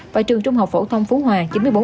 và trường trung học phổ thông phú hòa chín mươi bốn